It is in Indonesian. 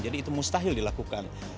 jadi itu mustahil dilakukan